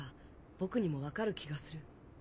僕にも分かる気がする。